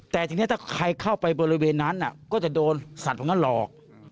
แต่ทีนี้ถ้าใครเข้าไปบริเวณนั้นก็จะโดนสัตว์ตรงนั้นหลอก